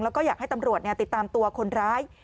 แล้วก็อยากให้ตำรวจติดตามตัวคนร้าย